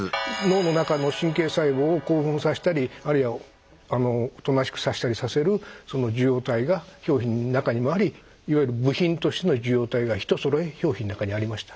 脳の中の神経細胞を興奮させたりあるいはおとなしくさせたりさせるその受容体が表皮の中にもありいわゆる部品としての受容体が一そろい表皮の中にありました。